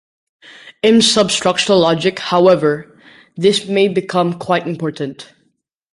In substructural logic, however, this may become quite important.